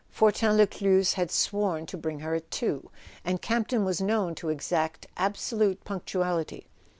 Fortin Lescluze had sworn to bring her at two, and Campton was known to exact absolute punctuality.